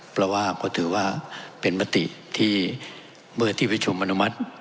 เพราะว่าเพราะถือว่าเป็นมติที่เมื่อที่ประชุมอนุมัติ